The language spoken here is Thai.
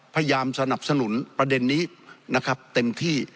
พยายามสนับสนุนประเด็นนี้นะครับเต็มที่